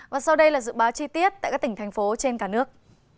và sau đây là dự báo chi tiết tại các tỉnh thành phố trên cả nước